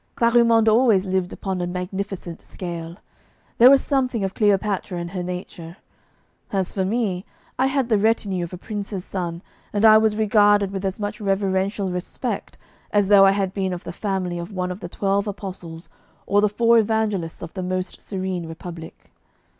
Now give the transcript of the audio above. Clarimonde always lived upon a magnificent scale; there was something of Cleopatra in her nature. As for me, I had the retinue of a prince's son, and I was regarded with as much reverential respect as though I had been of the family of one of the twelve Apostles or the four Evangelists of the Most Serene Republic.